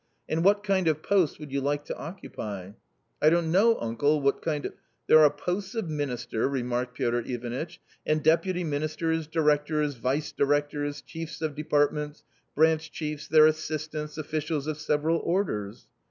And what kind of post would you like to occupy ?"" I don't know, uncle, what kind of "" There are posts of minister," remarked Piotr Ivanitch, "and deputy ministers, directors, vice directors, chiefs of departments, branch chiefs, their assistants, officials of several orders."